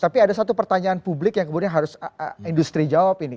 tapi ada satu pertanyaan publik yang kemudian harus industri jawab ini